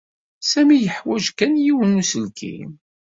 Sami yeḥwaj kan yiwen n uselkim.